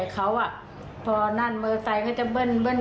เขาก็เคยโดนเมียเขาว่าไม่เชื่อน